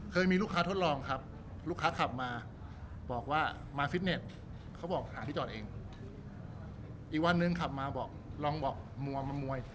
มีลูกค้าทดลองครับลูกค้าขับมาบอกว่ามาฟิตเน็ตเขาบอกหาที่จอดเองอีกวันนึงขับมาบอกลองบอกมัวมามวย